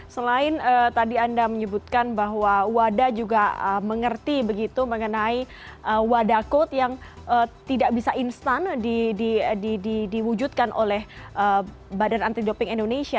selain tadi anda menyebutkan bahwa wada juga mengerti begitu mengenai wadakot yang tidak bisa instan diwujudkan oleh badan anti doping indonesia